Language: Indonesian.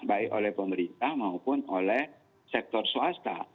baik oleh pemerintah maupun oleh sektor swasta